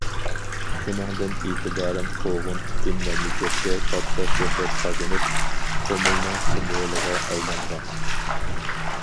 شۇنىڭدىن ئېتىبارەن قوغۇن پۈتۈن مەملىكەتتە كاتتا شۆھرەت قازىنىپ، قۇمۇلنىڭ سىمۋولىغا ئايلانغان.